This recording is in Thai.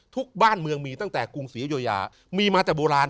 บ้านเมืองมีตั้งแต่กรุงศรีอยุยามีมาแต่โบราณ